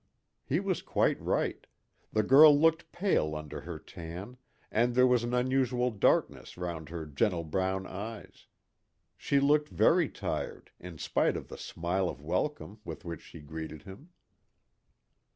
He was quite right. The girl looked pale under her tan, and there was an unusual darkness round her gentle brown eyes. She looked very tired, in spite of the smile of welcome with which she greeted him.